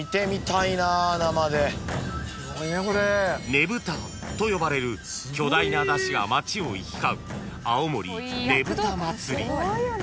［ねぶたと呼ばれる巨大な山車が街を行き交う］